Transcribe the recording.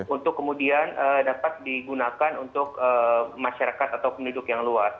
untuk kemudian dapat digunakan untuk masyarakat atau penduduk yang luas